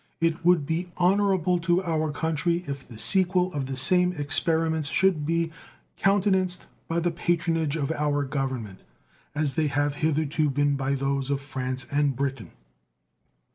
It would be honorable to our country if the sequel of the same experiments should be countenanced by the patronage of our Government, as they have hitherto been by those of France and Britain.